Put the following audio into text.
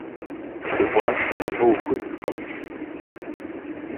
Уэ абы ухуиткъым.